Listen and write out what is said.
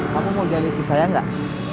kamu mau jadi istri saya nggak